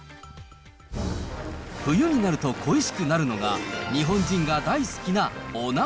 冬になると恋しくなるのが、日本人が大好きなお鍋。